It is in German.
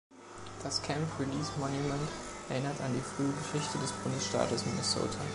Das Camp Release Monument erinnert an die frühe Geschichte des Bundesstaates Minnesota.